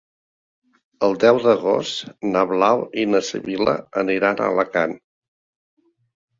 El deu d'agost na Blau i na Sibil·la aniran a Alacant.